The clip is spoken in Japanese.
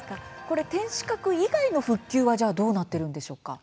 天守閣以外の復旧はどうなっているんでしょうか？